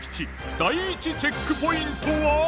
第１チェックポイントは。